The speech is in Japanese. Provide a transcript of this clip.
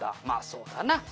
「まあそうだな」